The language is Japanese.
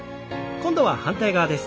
今度は反対側です。